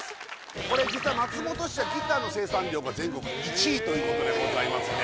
これ実は松本市はギターの生産量が全国で１位ということでございますね